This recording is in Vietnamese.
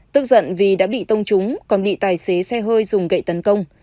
tức giận vì đã bị tông trúng còn bị tài xế xe hơi dùng gậy tấn công